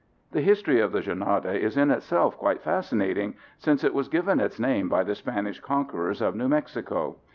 The history of the Jornada is in itself quite fascinating, since it was given its name by the Spanish conquerors of New Mexico.